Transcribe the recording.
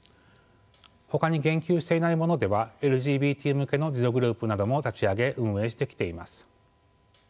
ほかに言及していないものではＬＧＢＴ向けの自助グループなども立ち上げ運営してきています。